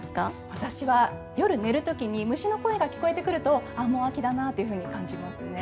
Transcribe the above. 私は夜、寝る時に虫の声が聞こえてくるとあ、もう秋だなと感じますね。